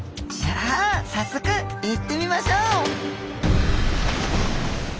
じゃあ早速行ってみましょう！